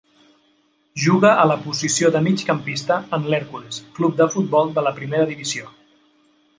Juga a la posició de migcampista en l'Hèrcules Club de Futbol de la Primera divisió.